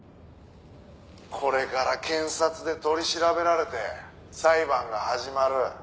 「これから検察で取り調べられて裁判が始まる」